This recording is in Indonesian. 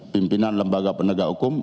pimpinan lembaga penegak hukum